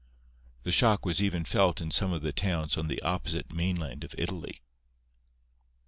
The shock was even felt in some of the towns on the opposite mainland of Italy.